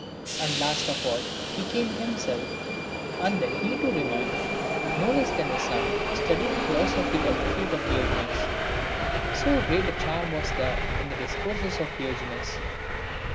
And last of all, he came himself, and then he too remained, no less than his son, studying philosophy at the feet of Diogenes. So great a charm was there in the discourses of Diogenes.